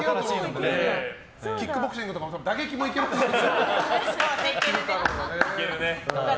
キックボクシングとか打撃もいける、昼太郎がね。